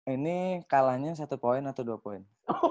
ini kalahnya satu poin atau dua poin